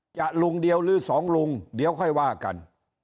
ลุงเดียวหรือสองลุงเดี๋ยวค่อยว่ากัน